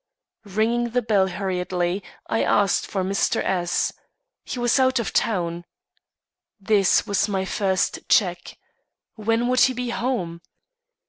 Ringing the bell hurriedly, I asked for Mr. S . He was out of town. This was my first check. When would he be home?